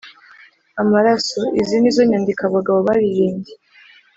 amaraso. izi nizo nyandiko abagabo baririmbye